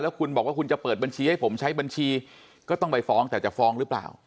คุณบอกว่าคุณจะเปิดบัญชีให้ผมใช้บัญชีก็ต้องไปฟ้องแต่จะฟ้องหรือเปล่า